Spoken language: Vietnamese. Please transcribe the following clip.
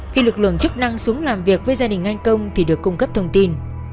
khi lực lượng chức năng xuống làm việc với gia đình anh công thì được cung cấp thông tin